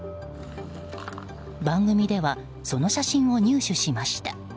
番組ではその写真を入手しました。